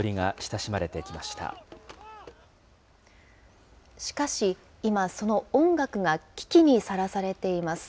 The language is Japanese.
しかし、今、その音楽が危機にさらされています。